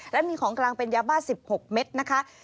และมีของกลางเป็นยาบ้า๑๖เม็ดนะคะ